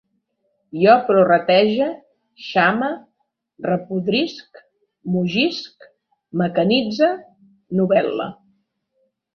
Jo prorratege, xame, repodrisc, mugisc, mecanitze, novel·le